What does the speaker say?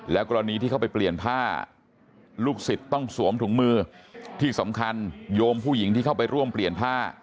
กรณีที่เข้าไปเปลี่ยนผ้าลูกศิษย์ต้องสวมถุงมือที่สำคัญโยมผู้หญิงที่เข้าไปร่วมเปลี่ยนผ้า